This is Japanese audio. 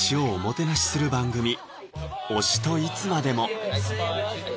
よろしくする番組・「推しといつまでも」